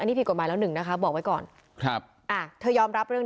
เราบอกเลยคือเจ๊ปากแดง